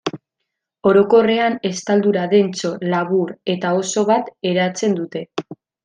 Orokorrean estaldura dentso, labur eta oso bat eratzen dute.